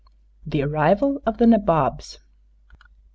THE ARRIVAL OF THE NABOBS.